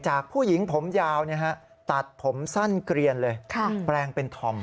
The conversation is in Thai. ผู้หญิงผมยาวตัดผมสั้นเกลียนเลยแปลงเป็นธอม